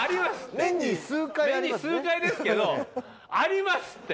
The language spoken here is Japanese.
年に数回ですけどありますって！